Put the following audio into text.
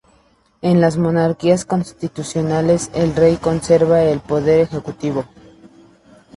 En las monarquías constitucionales, el rey conserva el Poder Ejecutivo.